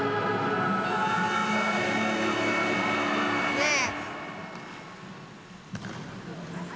ねえ！